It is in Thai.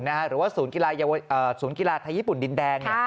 หรือว่าศูนย์กีฬาไทยญี่ปุ่นดินแดง